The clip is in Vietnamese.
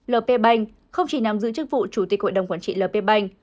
l p banh không chỉ nằm giữ chức vụ chủ tịch hội đồng quản trị l p banh